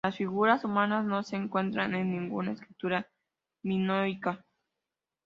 Las figuras humanas no se encuentran en ninguna escritura minoica.